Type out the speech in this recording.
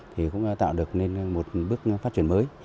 thì cũng tạo được nên một bước phát triển mới